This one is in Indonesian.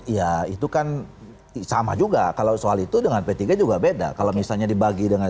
ya itu kan sama juga kalau soal itu dengan p tiga juga beda kalau misalnya dibagi dengan